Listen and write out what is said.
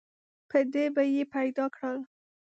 په دې به یې پیدا کړل.